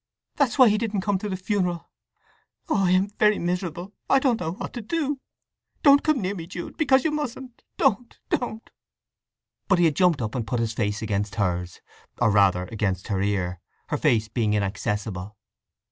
That's why he didn't come to the funeral… Oh, I am very miserable—I don't know what to do! … Don't come near me, Jude, because you mustn't. Don't—don't!" But he had jumped up and put his face against hers—or rather against her ear, her face being inaccessible.